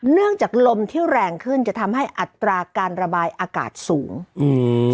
เนื่องจากลมที่แรงขึ้นจะทำให้อัตราการระบายอากาศสูงอืม